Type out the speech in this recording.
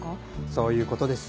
そういうことです